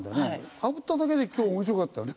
かぶっただけで今日面白かったよね。